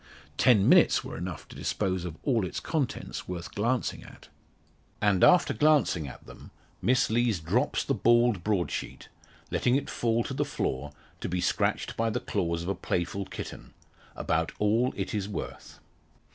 Ten minutes were enough to dispose of all its contents worth glancing at. And after glancing at them, Miss Lees drops the bald broadsheet letting it fall to the floor to be scratched by the claws of a playful kitten about all it is worth.